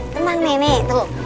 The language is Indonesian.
tenang nih nih tuh